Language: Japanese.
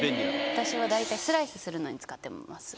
私は大体スライスするのに使ってます。